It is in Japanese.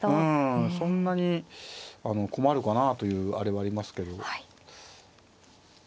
うんそんなに困るかなあというあれはありますけど。